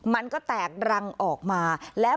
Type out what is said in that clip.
มันก็แตกรังออกมา